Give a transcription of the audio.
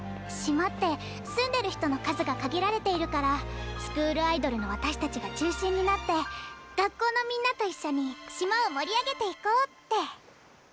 島って住んでる人の数が限られているからスクールアイドルの私たちが中心になって学校のみんなと一緒に島を盛り上げていこうって。